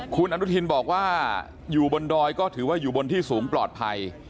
คุณอนุทินบอกว่าอยู่บนดอยก็ถือว่าอยู่บนที่สูงปลอดภัย